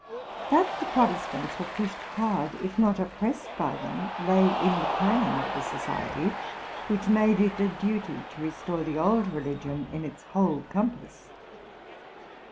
That the Protestants were pushed hard, if not oppressed by them, lay in the plan of the society which made it a duty to restore the old reli gion in its whole compass.